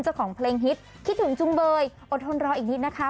เจ้าของเพลงฮิตคิดถึงจุงเบยอดทนรออีกนิดนะคะ